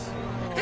え？